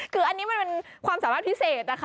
คืออันนี้มันเป็นความสามารถพิเศษนะคะ